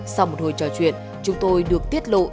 sau một hồi trò chuyện chúng tôi được tiết lộ